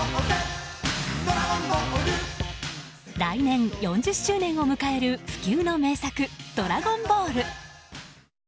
来年４０周年を迎える不朽の名作「ドラゴンボール」。